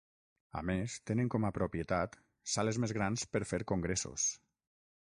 A més, tenen com a propietat sales més grans per fer congressos.